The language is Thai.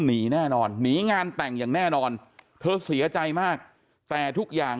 หนีแน่นอนหนีงานแต่งอย่างแน่นอนเธอเสียใจมากแต่ทุกอย่าง